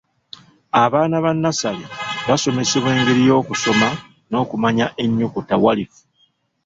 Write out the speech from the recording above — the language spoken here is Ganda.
Abaana ba nnassale basomesebwa engeri y'okusoma n'okumanya ennyukuta walifu.